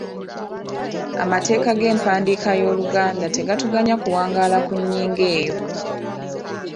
Amateeka g’empandiika y’oluganda tegatuganya kuwangaala ku nnyingo eyo.